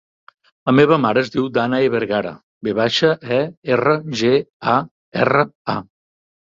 La meva mare es diu Dànae Vergara: ve baixa, e, erra, ge, a, erra, a.